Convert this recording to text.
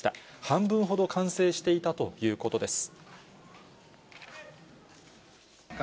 半分ほど完成していたということです。